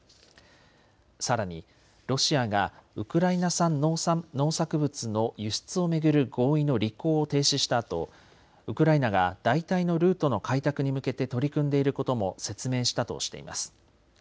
さらにロシアがウクライナ産農作物の輸出を巡る合意の履行を停止したあと、ウクライナが代替のルートの開拓に向けて取り組んでいることも説明したとしています。